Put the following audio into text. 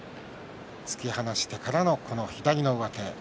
突き放してからのこの左の上手。